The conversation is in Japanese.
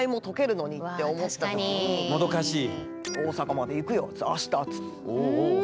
もどかしい！